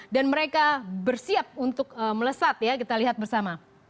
dan mereka bersiap untuk melesat ya kita lihat bersama